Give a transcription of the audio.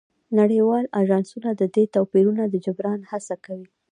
نړیوال اژانسونه د دې توپیرونو د جبران هڅه کوي